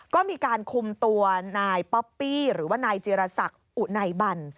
ก็มีการคุมตัวนายป๊อปปี้หรือว่านายจิรษักอุไนบัน